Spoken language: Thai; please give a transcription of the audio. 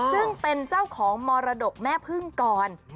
ซึ่งเป็นเจ้าของมรดกแม่พึ่งก่อน